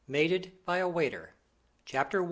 Mated by a Waiter. CHAPTER I.